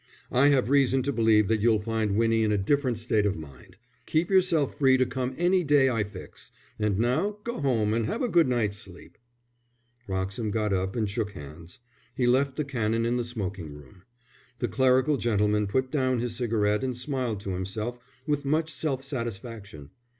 "I have reason to believe that you'll find Winnie in a different state of mind. Keep yourself free to come any day I fix. And now go home and have a good night's sleep." Wroxham got up and shook hands. He left the Canon in the smoking room. The clerical gentleman put down his cigarette and smiled to himself with much self satisfaction.